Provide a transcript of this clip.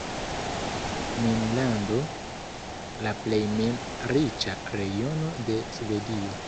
"Minlando", la plej min-riĉa regiono de Svedio.